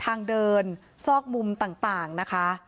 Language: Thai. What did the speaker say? ทางเดินซอกมุมต่างนะคะ